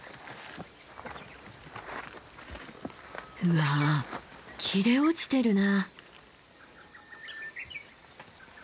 うわ切れ落ちてるな。